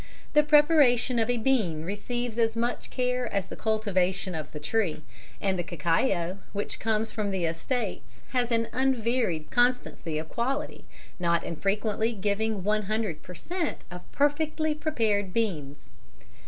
The preparation of the bean receives as much care as the cultivation of the tree, and the cacao which comes from the estates has an unvaried constancy of quality, not infrequently giving 100 per cent. of perfectly prepared beans.